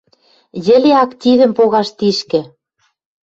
«Йӹле активӹм погаш тишкӹ.